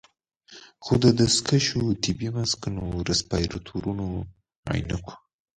خو د دستکشو، طبي ماسکونو، رسپايرتورونو، عينکو